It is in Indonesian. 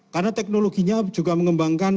karena teknologinya juga mengembangkan